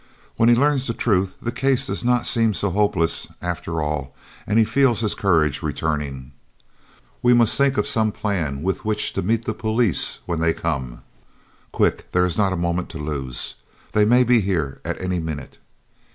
When he learns the truth the case does not seem so hopeless after all and he feels his courage returning. "We must think of some plan with which to meet the police when they come. Quick! There is not a moment to lose. They may be here at any minute."